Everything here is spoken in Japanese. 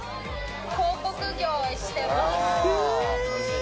広告業をしてます。